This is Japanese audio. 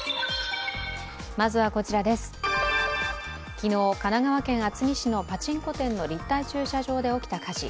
昨日、神奈川県厚木市のパチンコ店の立体駐車場で起きた火事。